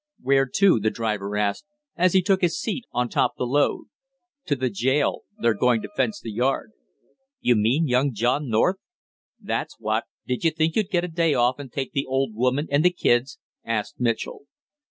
"Where to?" the driver asked, as he took his seat on top the load. "To the jail, they're going to fence the yard." "You mean young John North?" "That's what, did you think you'd get a day off and take the old woman and the kids?" asked Mitchell.